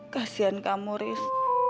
kasian kamu ris